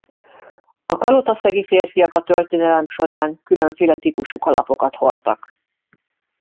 A kalotaszegi férfiak a történelem során különféle típusú kalapokat hordtak.